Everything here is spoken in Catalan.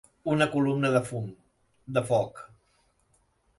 Una columna de fum, de foc.